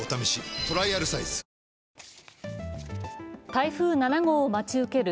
台風７号を待ち受ける